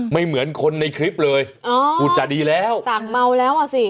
เหมือนคนในคลิปเลยอ๋อพูดจาดีแล้วสั่งเมาแล้วอ่ะสิ